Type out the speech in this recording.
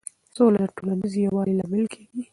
سوله د ټولنیز یووالي لامل کېږي.